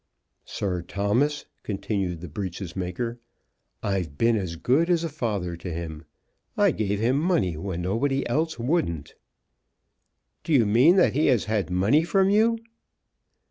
"Sir Thomas," continued the breeches maker, "I've been as good as a father to him. I gave him money when nobody else wouldn't." "Do you mean that he has had money from you?"